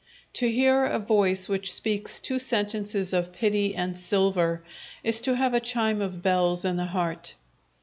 To hear a voice which speaks two sentences of pity and silver is to have a chime of bells in the heart.